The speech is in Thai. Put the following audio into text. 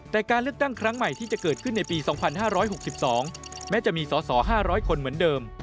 แต่การเลือกตั้งครั้งใหม่ที่จะเกิดขึ้นในปี๒๕๖๒แม้จะมีสอสอ๕๐๐คนเหมือนเดิม